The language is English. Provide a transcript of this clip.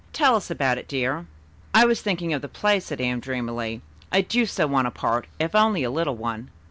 Tell us about it, dear." "I was thinking of the play," said Anne dreamily. "I do so want a part, if only a little one."